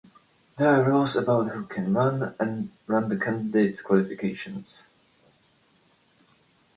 There are rules about who can run and the candidates' qualifications.